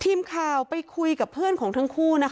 ทีมข่าวไปคุยกับเพื่อนของทั้งคู่นะคะ